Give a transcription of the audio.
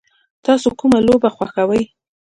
تاسو کومه لوبه خوښوئ؟